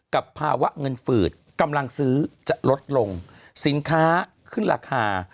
กับภาวะเงินฝืดกำลังซื้อจะลดลงสินค้าขึ้นราคา